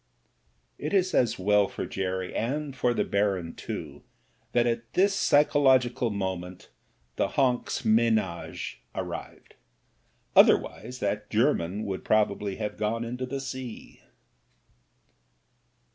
It was as well for Jerry, and for the Baron too, that at this psychological moment the Honks menage ar rived, otherwise that German would probably have gone into the sea.